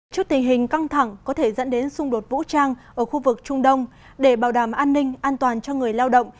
trước tình hình căng thẳng có thể dẫn đến xung đột vũ trang ở khu vực trung đông để bảo đảm an ninh an toàn cho người lao động